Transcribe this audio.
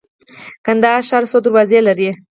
کندهار ښار څو دروازې لري؟